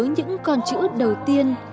những con chữ đầu tiên